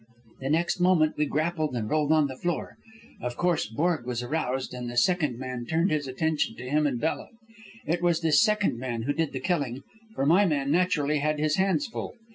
The next moment we grappled and rolled on the floor. Of course, Borg was aroused, and the second man turned his attention to him and Bella. It was this second man who did the killing, for my man, naturally, had his hands full.